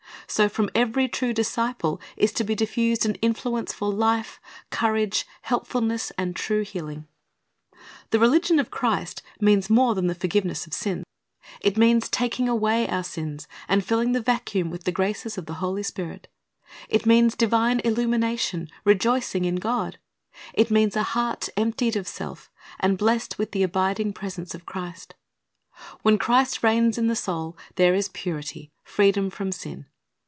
"' So from every true disciple is to be diffused an influence for life, courage, helpfulness, and true healing. The religion of Christ means more than the forgiveness 1 Mai. 4 : 2 420 Christ's Object Lessons of sin; it means taking away our sins, and filling the vacuum with the graces of the Holy Spirit. It means divine illumi nation, rejoicing in God. It means a heart emptied of self, and blessed with the abiding presence of Christ. When Christ reigns in the soul, there is purity, freedom from sin.